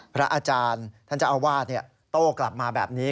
พระอาจารย์ท่านเจ้าอาวาสโต้กลับมาแบบนี้